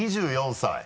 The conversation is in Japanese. ２４歳。